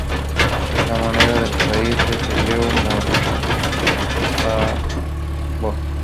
La moneda del país es el leu moldavo.